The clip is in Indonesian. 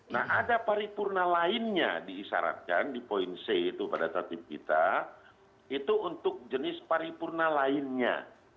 nah ada paripurna lainnya diisyaratkan di poin c itu pada tatib kita itu untuk jenis paripurna lainnya